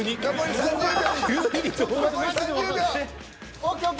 ＯＫＯＫ！